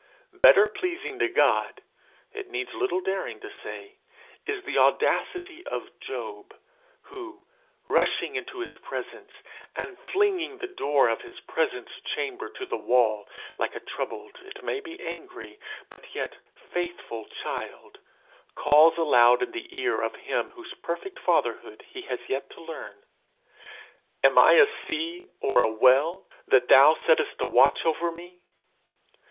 Better pleasing to God, it needs little daring to say, is the audacity of Job, who, rushing into his presence, and flinging the door of his presence chamber to the wall, like a troubled, it may be angry, but yet faithful child, calls aloud in the ear of him whose perfect Fatherhood he has yet to learn: "Am I a sea or a whale, that thou settest a watch over me?"